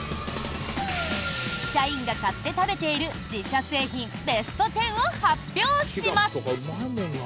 社員が買って食べている自社製品ベスト１０を発表します！